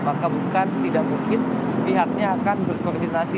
maka bukan tidak mungkin pihaknya akan berkoordinasi